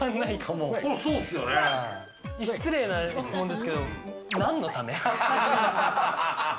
失礼な質問ですけど、何のため？